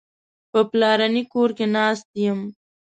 په پلرني کور کې ناست یم.